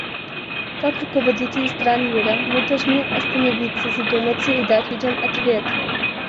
Как руководители стран мира мы должны остановиться, задуматься и дать людям ответ.